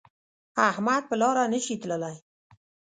احمد په لاره نشي تللی